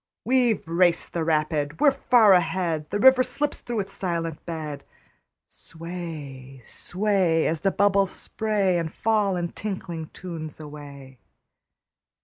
We've raced the rapid, we're far ahead! The river slips through its silent bed. Sway, sway, As the bubbles spray And fall in tinkling tunes away.